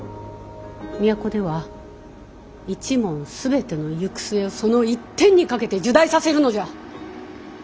都では一門全ての行く末をその一点に賭けて入内させるのじゃ！